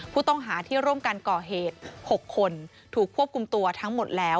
ผู้ต้องหาที่ร่วมกันก่อเหตุ๖คนถูกควบคุมตัวทั้งหมดแล้ว